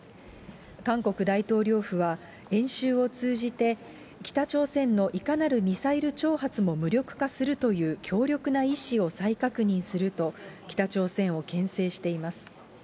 韓国大統領府は、演習を通じて、北朝鮮のいかなるミサイル挑発も無力化するという強力な意志を再確認すると、北朝鮮をけん制しています。